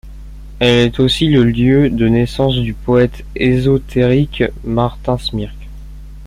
Elle est aussi le lieu de naissance du poète ésotérique Martin Smyrk.